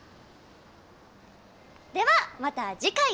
ではまた次回。